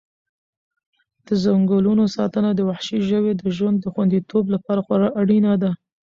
د ځنګلونو ساتنه د وحشي ژویو د ژوند د خوندیتوب لپاره خورا اړینه ده.